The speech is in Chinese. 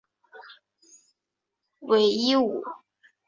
讳一武。